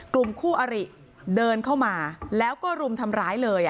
กลุ่มคู่อริเดินเข้ามาแล้วก็รุมทำร้ายเลย